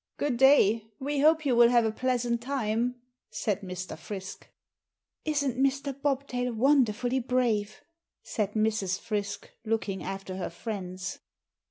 "Good day. We hope you will have a pleasant time," said Mr. Frisk. "Isn't Mr. Bobtail wonderfully brave?" said Mrs. Frisk, looking after her friends.